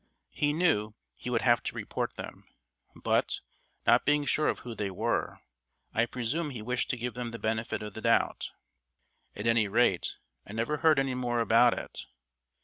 He knew he would have to report them, but, not being sure of who they were, I presume he wished to give them the benefit of the doubt. At any rate, I never heard any more about it.